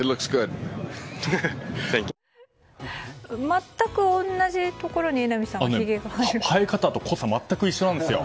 全く同じところに榎並さん。生え方と濃さが全く一緒なんですよ。